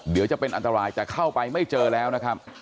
เดี๋ยวจะเป็นอันตรายแต่เข้าไปไม่เจอแล้วนะครับ